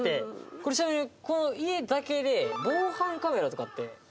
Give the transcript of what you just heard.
これちなみにこの家だけで防犯カメラとかって。